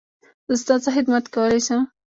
زه ستا څه خدمت کولی شم؟